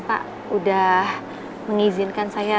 terima kasih pak udah mengizinkan saya